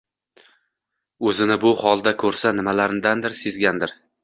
O'zini bu holda ko'rsa, nimalarnidir sezadigan